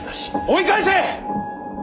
追い返せ！